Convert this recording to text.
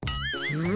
うん？